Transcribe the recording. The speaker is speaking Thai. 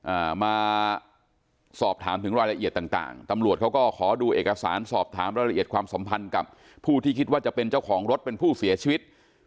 อ่ามาสอบถามถึงรายละเอียดต่างต่างตำรวจเขาก็ขอดูเอกสารสอบถามรายละเอียดความสัมพันธ์กับผู้ที่คิดว่าจะเป็นเจ้าของรถเป็นผู้เสียชีวิต